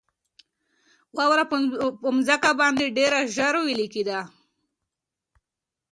واوره په مځکه باندې ډېره ژر ویلي کېده.